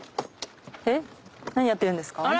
何やってるんですか？